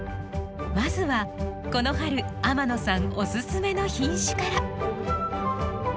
まずはこの春天野さんおすすめの品種から。